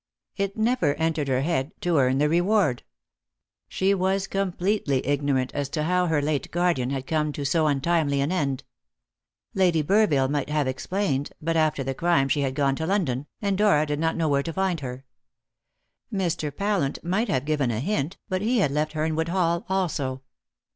It never entered her head to earn the reward. She was completely ignorant as to how her late guardian had come to so untimely an end. Lady Burville might have explained, but after the crime she had gone to London, and Dora did not know where to find her. Mr. Pallant might have given a hint, but he had left Hernwood Hall also.